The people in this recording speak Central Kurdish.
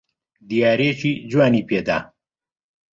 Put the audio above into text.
دیارییەکی جوانی پێ دا.